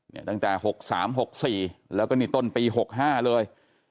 เนี้ยตั้งแต่หกสามหกสี่แล้วก็ในต้นปีหกห้าเลย